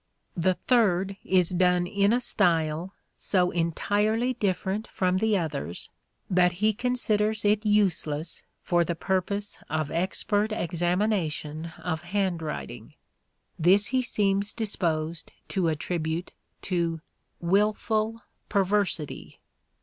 The third is done in a style so entirely different from the others that he considers it useless for the purpose of expert examination of hand writing : this he seems disposed to attribute to " wilful perversity."